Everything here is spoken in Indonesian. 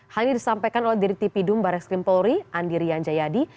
hal ini disampaikan oleh diri tipi dum bareks krimpolri andirian jayadi